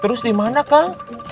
terus di mana kang